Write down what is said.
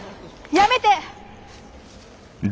やめて！